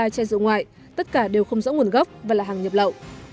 một ba trăm tám mươi ba chai rượu ngoại tất cả đều không rõ nguồn gốc và là hàng nhập lậu